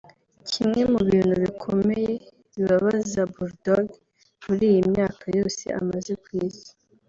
Kimwe mu bintu bikomeye bibabaza Bull Dogg muri iyi myaka yose amaze ku isi